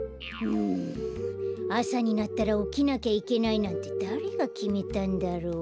んあさになったらおきなきゃいけないなんてだれがきめたんだろう。